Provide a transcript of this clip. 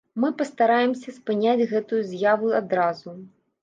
Мы пастараемся спыняць гэтую з'яву адразу.